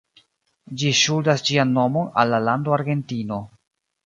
Ĝi ŝuldas ĝian nomon al la lando Argentino.